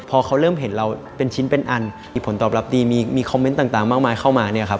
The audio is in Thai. พอเขาเริ่มเห็นเราเป็นชิ้นเป็นอันอีกผลตอบรับดีมีคอมเมนต์ต่างมากมายเข้ามาเนี่ยครับ